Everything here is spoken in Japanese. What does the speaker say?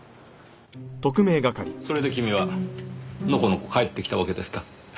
それで君はのこのこ帰ってきたわけですか？